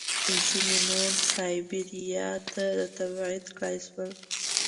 ځینې نور سایبیریا ته تبعید کړای شول